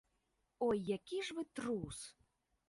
Ой, які ж вы трус!